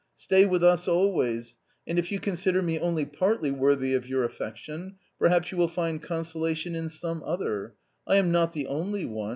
Stay with us always, and if you consider me only partly worthy of your affection, perhaps you will find consolation in some other ; I am not the only one